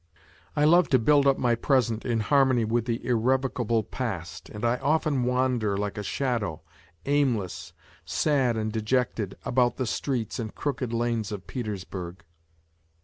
I love to build up my present in harmony with the irrevocable past, and I often wander like a shadow, aim less, sad and dejected, about the streets and crooked lanes of Petersburg.